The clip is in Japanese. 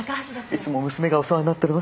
いつも娘がお世話になっております。